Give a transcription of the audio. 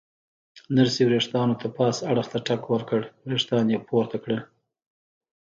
نرسې ورېښتانو ته پاس اړخ ته ټک ورکړ، ورېښتان یې پورته کړل.